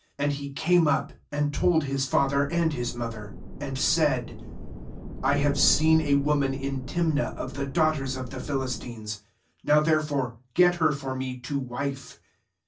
2And he came up, and told his father and his mother, and said: 'I have seen a woman in Timnah of the daughters of the Philistines; now therefore get her for me to wife.'